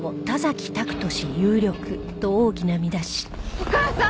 お母さん！